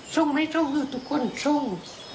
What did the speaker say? ชงไม่ชงทุกคนชง